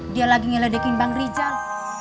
dia lagi nyeledekin bang rijal